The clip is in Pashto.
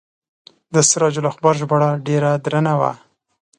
د سراج الاخبار ژباړه ډیره درنه وه.